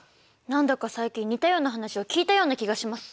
なんだか最近似たような話を聞いたような気がします。